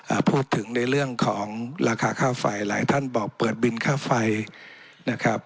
พูดถึงในเรื่องของราคาค่าไฟหลายท่านบอกเปิดบินค่าไฟนะครับ